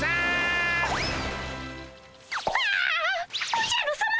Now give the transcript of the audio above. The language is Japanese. おじゃるさま。